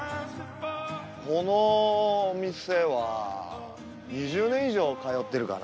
このお店は２０年以上通ってるかな。